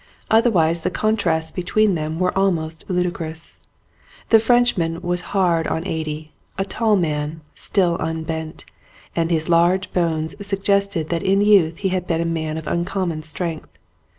Otherwise the contrasts between them were almost ludicrous. The French man was hard on eighty, a tall man, still unbent ; and his large bones suggested that in youth he had been a man of uncommon strength.